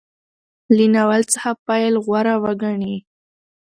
له ناول څخه پیل غوره وګڼي.